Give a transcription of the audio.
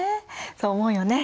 そう思うよね。